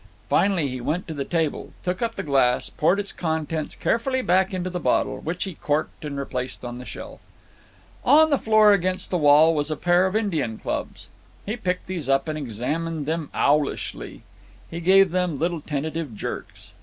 Finally he went to the table, took up the glass, poured its contents carefully back into the bottle, which he corked and replaced on the shelf. On the floor against the wall was a pair of Indian clubs. He picked these up and examined them owlishly. He gave them little tentative jerks.